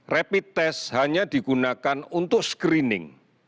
rapid test hanya digunakan untuk screening